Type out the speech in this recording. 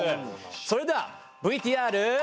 それではＶＴＲ。